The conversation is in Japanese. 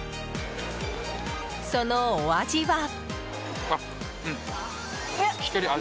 そのお味は。